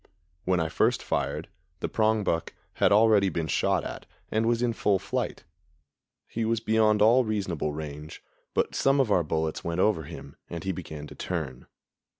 When I first fired, the prongbuck had already been shot at and was in full flight. He was beyond all reasonable range, but some of our bullets went over him and he began to turn.